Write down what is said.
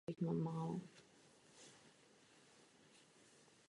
Komise proto v listopadu zřídila pracovní skupinu pro zjednodušování.